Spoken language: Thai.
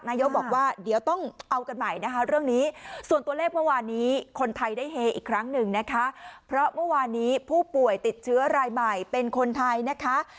นายกบอกว่าเดี๋ยวต้องเอากันใหม่นะคะเรื่องนี้ส่วนตัวเลขเมื่อวานนี้คนไทยได้เฮอีกครั้งหนึ่งนะคะเพราะเมื่อวานนี้ผู้ป่วยติดเชื้อรายใหม่เป็นคนไทยนะคะ